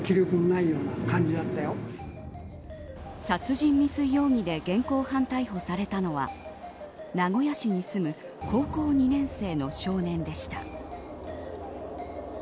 殺人未遂容疑で現行犯逮捕されたのは名古屋市に住む高校２年生の少年でした。